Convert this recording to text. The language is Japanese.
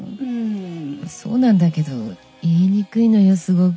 そうなんだけど言いにくいのよすごく。